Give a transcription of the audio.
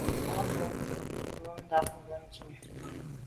A bwô ndù be ghù ndà ke ndume.